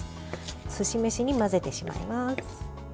すし飯に混ぜてしまいます。